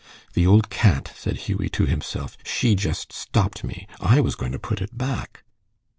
"The old cat!" said Hughie to himself. "She just stopped me. I was going to put it back."